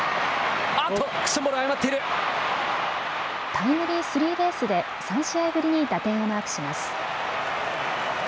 タイムリースリーベースで３試合ぶりに打点をマークします。